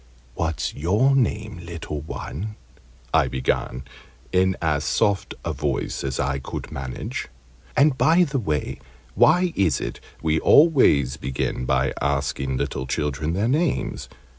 "What's your name, little one?" I began, in as soft a voice as I could manage. And, by the way, why is it we always begin by asking little children their names?